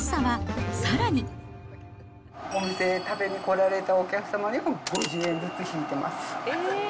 お店、食べに来られたお客様には５０円ずつ引いてます。